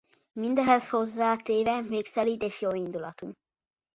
Mindehhez hozzátéve még szelíd és jóindulatú.